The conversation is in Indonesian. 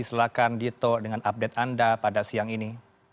silahkan dito dengan update anda pada siang ini